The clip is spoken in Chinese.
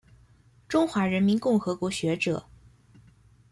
中华人民共和国学者。